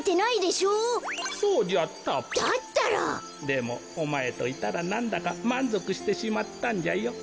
でもおまえといたらなんだかまんぞくしてしまったんじゃよ。